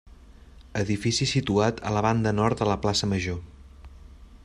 Edifici situat a la banda nord de la plaça Major.